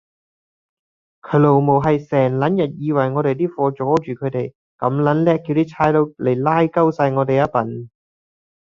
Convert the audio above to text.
佢老母閪，成撚日以為我哋啲貨阻撚住佢地，咁撚叻，叫啲差佬嚟拉鳩哂我哋呀笨